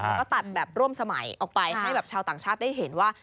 แล้วก็ตัดแบบร่วมสมัยออกไปให้แบบชาวต่างชาติได้เห็นว่า